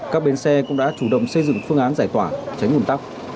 các bến xe cũng đã chủ động xây dựng phương án giải tỏa tránh ủn tắc